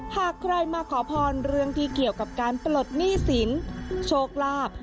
หากใครมาขอพรเรื่องที่เกี่ยวกับการปลดหนี้สินโชคลาภ